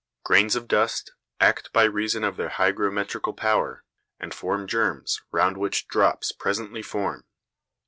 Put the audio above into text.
Grains of dust act by reason of their hygrometrical power, and form germs round which drops presently form.